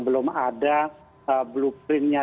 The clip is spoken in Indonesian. belum ada blueprint nya